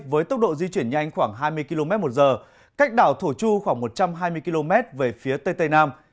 với tốc độ di chuyển nhanh khoảng hai mươi km một giờ cách đảo thổ chu khoảng một trăm hai mươi km về phía tây tây nam